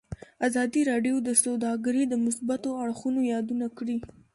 ازادي راډیو د سوداګري د مثبتو اړخونو یادونه کړې.